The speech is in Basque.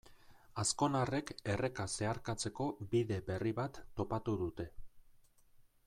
Azkonarrek erreka zeharkatzeko bide berri bat topatu dute.